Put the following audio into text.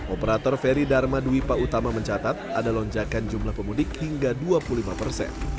operator feri dharma dwipa utama mencatat ada lonjakan jumlah pemudik hingga dua puluh lima persen